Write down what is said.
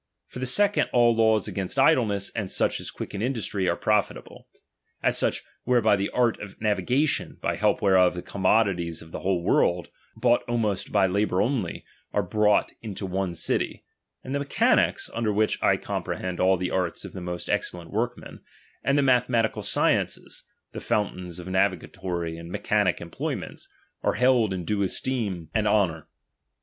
For the second all laws against idleness, and ^H such as quicken industry, are profitable ; as such ^H whereby the art of navigation, by help whereof ^H the commodities of the whole world, bought almost ^H by labour only, are brought into one city ; and the ^H mechanics, under which I comprehend all the arts ^H of the most excellent workmen ; and the tnathe ^H matical sciences, the fountains of uavigatory and ^H mechanic employments, are held in due esteem ^H VOL. II. N ^H 178 DOMINION. ■ xiir. and honour.